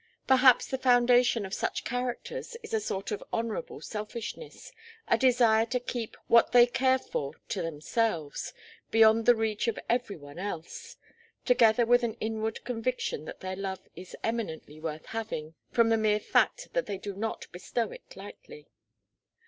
Perhaps the foundation of such characters is a sort of honourable selfishness, a desire to keep what they care for to themselves, beyond the reach of every one else, together with an inward conviction that their love is eminently worth having from the mere fact that they do not bestow it lightly.